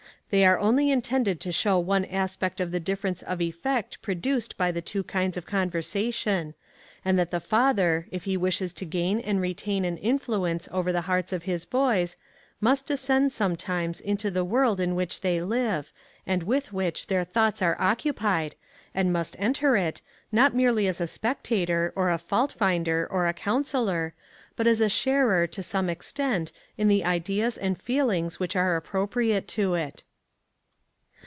They are only intended to show one aspect of the difference of effect produced by the two kinds of conversation, and that the father, if he wishes to gain and retain an influence over the hearts of his boys, must descend sometimes into the world in which they live, and with which their thoughts are occupied, and must enter it, not merely as a spectator, or a fault finder, or a counsellor, but as a sharer, to some extent, in the ideas and feelings which are appropriate to it.